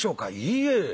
「いいえ。